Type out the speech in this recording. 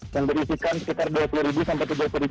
dan berisikan sekitar dua puluh sampai tiga puluh